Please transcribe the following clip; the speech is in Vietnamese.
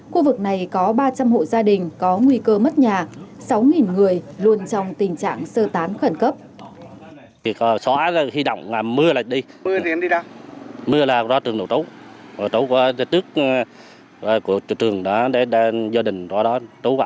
khu vực này có ba trăm linh hộ gia đình có nguy cơ mất nhà sáu người luôn trong tình trạng sơ tán khẩn cấp